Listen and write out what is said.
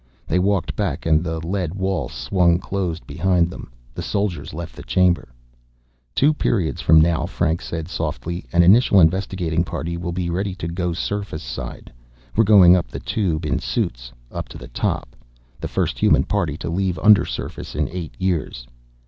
They walked back and the lead wall swung closed behind them. The soldiers left the chamber. "Two periods from now," Franks said softly, "an initial investigating party will be ready to go surface side. We're going up the Tube in suits, up to the top the first human party to leave undersurface in eight years."